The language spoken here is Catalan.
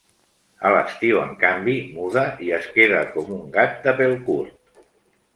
A l'estiu, en canvi, muda i es queda com un gat de pèl curt.